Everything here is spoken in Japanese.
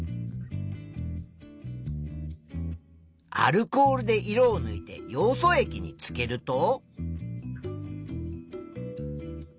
アルコールで色をぬいてヨウ素液につけると。